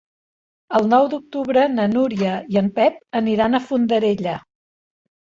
El nou d'octubre na Núria i en Pep aniran a Fondarella.